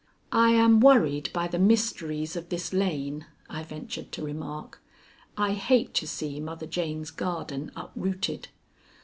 "I am worried by the mysteries of this lane," I ventured to remark. "I hate to see Mother Jane's garden uprooted."